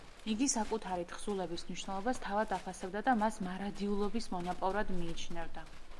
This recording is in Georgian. იგი საკუთარი თხზულების მნიშვნელობას თავად აფასებდა და მას „მარადიულობის მონაპოვრად“ მიიჩნევდა.